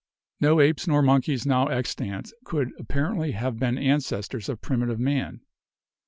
No apes nor monkeys now extant could apparently have been ancestors of primitive man.